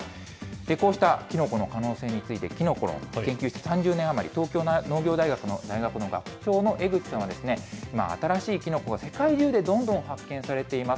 こうしたキノコの可能性について、キノコを研究して３０年余り、東京農業大学の大学の学長の江口さんは、今、新しいキノコが世界中でどんどん発見されています。